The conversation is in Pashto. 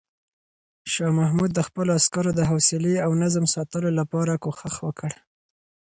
شاه محمود د خپلو عسکرو د حوصلې او نظم ساتلو لپاره کوښښ وکړ.